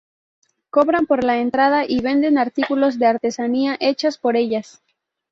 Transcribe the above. Cobran por la entrada y venden artículos de artesanía hechas por ellas.